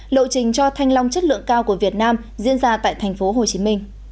lộ trình cho thanh long chất lượng cao của việt nam diễn ra tại tp hcm